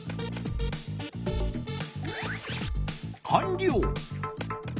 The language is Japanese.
かんりょう！